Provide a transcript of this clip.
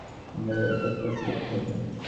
আমার মন প্রস্তুত হয়ে আছে এবং আমায় এ-তপস্যা করতে হবে।